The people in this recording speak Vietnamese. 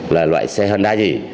là loại xe honda gì